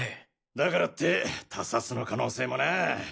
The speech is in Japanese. だからって他殺の可能性もなぁ。